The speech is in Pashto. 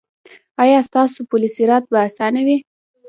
ایا ستاسو پل صراط به اسانه وي؟